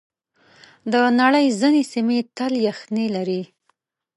د نړۍ ځینې سیمې تل یخنۍ لري.